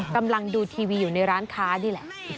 กำลังดูทีวีอยู่ในร้านค้านี่แหละ